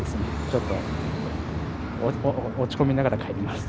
ちょっと落ち込みながら帰ります。